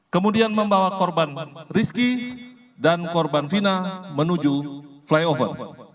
kemudian membawa korban rizky dan korban fina menuju flyover